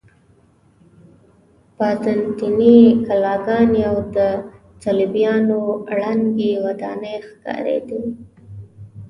بازنطیني کلاګانې او د صلیبیانو ړنګې ودانۍ ښکارېدې.